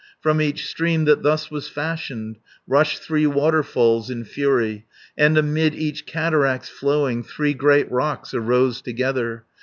From each stream that thus was fashioned, Rushed three waterfalls in fury, 480 And amid each cataract's flowing. Three great rocks arose together.